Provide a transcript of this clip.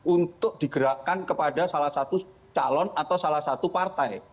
untuk digerakkan kepada salah satu calon atau salah satu partai